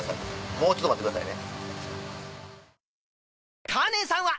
もうちょっと待ってくださいね。